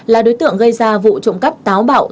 là đối tượng gây ra vụ trộm cắp táo bạo